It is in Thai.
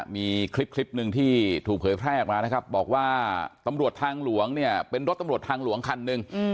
มีคลิปหนึ่งที่ถูกเผยแพร่ออกมานะครับบอกว่าตำรวจทางหลวงเนี่ยเป็นรถตำรวจทางหลวงคันหนึ่ง